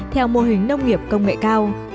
theo mô hình nông nghiệp công nghệ cao